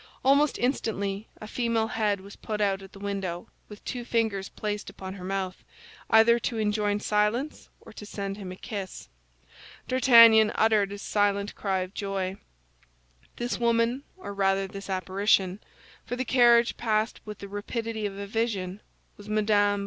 Almost instantly a female head was put out at the window, with two fingers placed upon her mouth, either to enjoin silence or to send him a kiss. D'Artagnan uttered a slight cry of joy; this woman, or rather this apparition—for the carriage passed with the rapidity of a vision—was Mme.